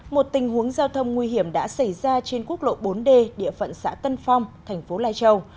một tình huống giao thông nguy hiểm đã xảy ra trên quốc lộ bốn d địa phận xã tân phong thành phố lai châu